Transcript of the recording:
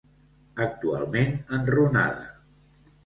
Actualment enrunada.